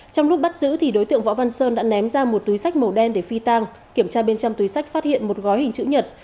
trong lúc bắt giữ đối tượng võ văn sơn đã ném ra một túi sách màu đen để phi tang kiểm tra bên trong túi sách phát hiện một gói hình chữ nhật